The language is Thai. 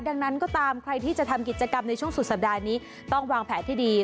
ดังนั้นก็ตามใครที่จะทำกิจกรรมในช่วงสุดสัปดาห์นี้ต้องวางแผนที่ดี